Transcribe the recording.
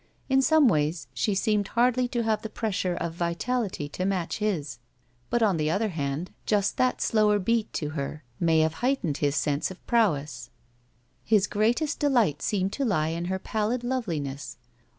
In some ways she seemed hardly to have the pressure of vitality to match his, but, on the other hand, just that slower beat to her may have heightened his sense of prowess. 41 SHE WALKS IN BEAUTY His greatest delight seemed to lie in her pallid love liness.